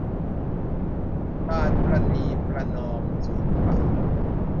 การประนีประนอมสูญเปล่า